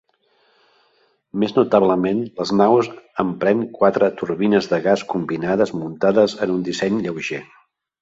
Més notablement, les naus empren quatre turbines de gas combinades, muntades en un disseny lleuger.